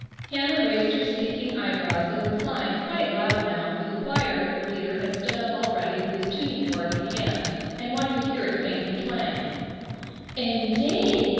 Hannah raised her speaking eyebrows and replied, quite loud now, for the choir leader had stood up already with his tuning fork in hand, and one could hear it faintly twang: "Indeed!"